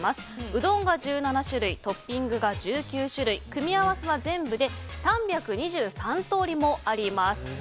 うどんが１７種類トッピングが１９種類組み合わせは全部で３２３通りもあります。